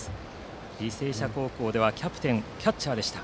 履正社高校ではキャプテン、キャッチャーでした。